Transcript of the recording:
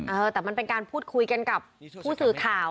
เออแต่มันเป็นการพูดคุยกันกับผู้สื่อข่าว